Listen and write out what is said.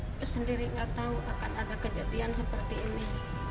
saya sendiri nggak tahu akan ada kejadian seperti ini